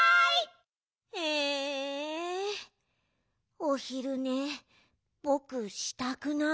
おひるねぼくしたくない。